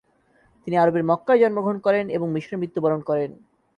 তিনি আরবের মক্কায় জন্মগ্রহণ করেন এবং মিশরে মৃত্যুবরণ করেন।